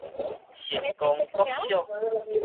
成功國小